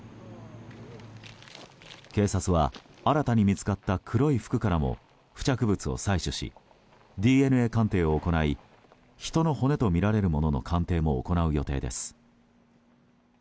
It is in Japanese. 警察は新たに見つかった黒い服からも付着物を採取しＤＮＡ鑑定を行い人の骨とみられるものの鑑定も行う予定です。